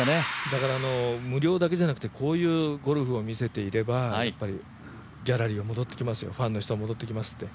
だから無料だけじゃなくてこういうゴルフを見せていればギャラリー、ファンの人は戻ってきますって。